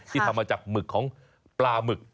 ทำมาจากหมึกของปลาหมึก